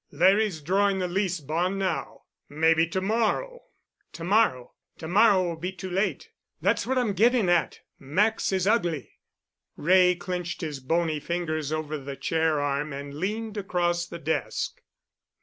Larry's drawing the lease and bond now. Maybe to morrow——" "To morrow? To morrow will be too late. That's what I'm gettin' at. Max is ugly——" Wray clenched his bony fingers over the chair arm and leaned across the desk.